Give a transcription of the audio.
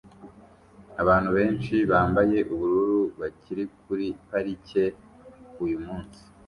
Abantu benshi bambaye ubururu bari kuri parike uyumunsi